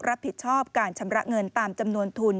รับผิดชอบการชำระเงินตามจำนวนทุน